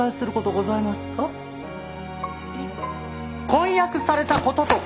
婚約された事とか。